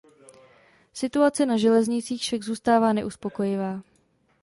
Situace na železnicích však zůstává neuspokojivá.